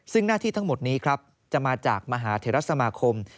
ซึ่งหน้าที่ทั้งหมดนี้ครับจะมาจากมหาเทรสมาคม